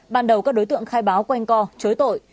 ban đầu các đối tượng khai báo quanh co chối tội